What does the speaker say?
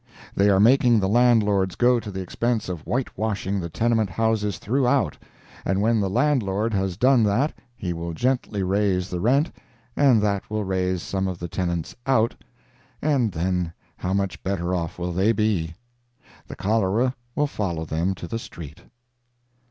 They are making the landlords go to the expense of whitewashing the tenement houses throughout, and when the landlord has done that he will gently raise the rent, and that will raise some of the tenants out, and then how much better off will they be? The cholera will follow them to the street.